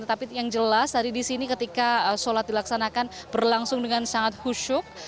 tetapi yang jelas tadi di sini ketika sholat dilaksanakan berlangsung dengan sangat khusyuk